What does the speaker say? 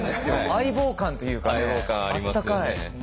相棒感というかねあったかい。